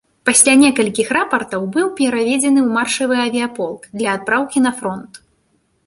Пасля некалькіх рапартаў быў пераведзены ў маршавы авіяполк для адпраўкі на фронт.